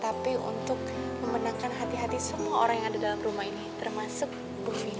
tapi untuk memenangkan hati hati semua orang yang ada dalam rumah ini termasuk bu vina